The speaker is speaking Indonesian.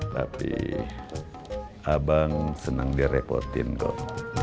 tapi abang senang direpotin kok